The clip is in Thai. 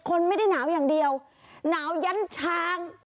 คนไม่ได้หนาวอย่างเดียวหนาวยั้นช้าง